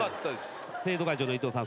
生徒会長の伊藤さん